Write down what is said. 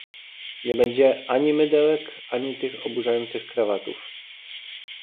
"Nie będzie ani mydełek, ani tych oburzających krawatów."